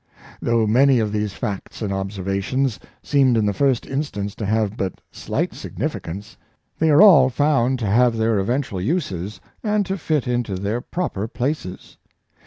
Though many of these facts and observations seemed in the first instance to have but sHght significance, they are all found to have their eventual uses, and to fit into their proper places.